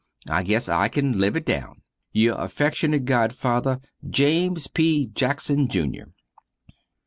I guess I can live it down. Your affeckshunate godfather, James P. Jackson Jr.